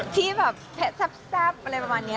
ที่แบบแพะแซ่บอะไรประมาณนี้